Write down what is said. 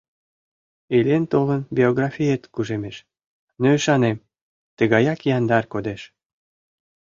Илен-толын биографиет кужемеш, но ӱшанем: тыгаяк яндар кодеш.